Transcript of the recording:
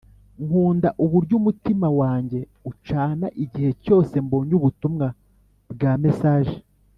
nkunda uburyo umutima wanjye ucana igihe cyose mbonye ubutumwa bwa mesage